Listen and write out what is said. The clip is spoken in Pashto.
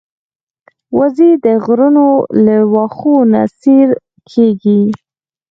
وزې د غرونو له واښو نه سیر کېږي